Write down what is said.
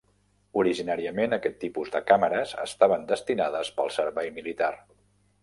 Originàriament aquest tipus de càmeres estaven destinades pel servei militar.